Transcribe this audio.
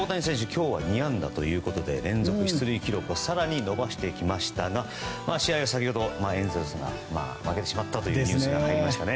今日は２安打ということで連続出塁記録を更に伸ばしていきましたが試合は先ほどエンゼルスが負けてしまったというニュースが入りましたね。